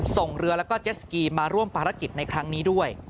ส่งเรือแล้วก็เจสสกีมาร่วมภารกิจในครั้งนี้ด้วย